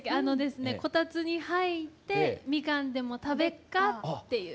「こたつにはいってみかんでも食べっか」っていう。